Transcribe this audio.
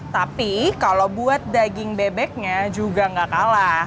tapi kalau buat daging bebeknya juga nggak kalah